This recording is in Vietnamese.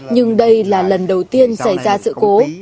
nhưng đây là lần đầu tiên xảy ra sự cố